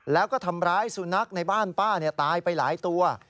แล้วก็ทำร้ายสุนัขในบ้านป้าตายไปหลายตัว